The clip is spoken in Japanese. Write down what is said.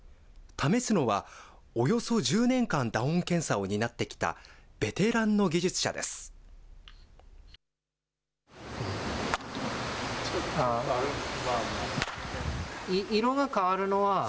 試すのは、およそ１０年間、打音検査を担ってきたベテランの技術者です。